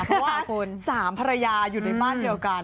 เพราะว่า๓ภรรยาอยู่ในบ้านเดียวกัน